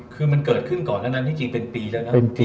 คือมันเกิดขึ้นก่อนหน้านั้นจริงเป็นปีแล้วนะ